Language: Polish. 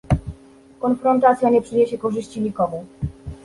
Konfrontacja nie przyniesie korzyści nikomu